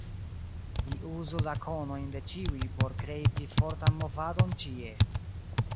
Ni uzu la konojn de ĉiuj por krei pli fortan movadon ĉie.